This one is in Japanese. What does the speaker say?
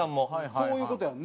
そういう事やんね。